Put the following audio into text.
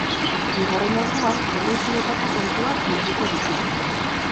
Bigarren orduan, urrutietako kontuak bilduko ditugu.